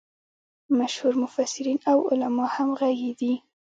مشهور مفسرین او علما همغږي دي.